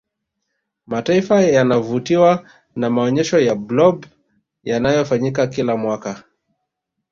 mataifa yanavutiwa na maonyesho ya blob yanayofanyika kila mwaka